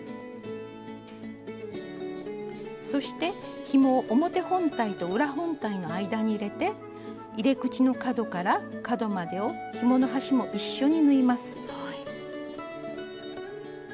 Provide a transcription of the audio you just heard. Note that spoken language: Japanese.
そしてひもを表本体と裏本体の間に入れて入れ口の角から角までをひもの端も一緒に縫います。